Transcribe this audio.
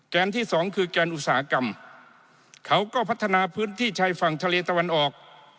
ที่สองคือแกนอุตสาหกรรมเขาก็พัฒนาพื้นที่ชายฝั่งทะเลตะวันออก